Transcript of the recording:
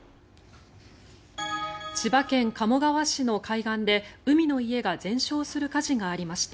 千葉県鴨川市の海岸で海の家が全焼する火事がありました。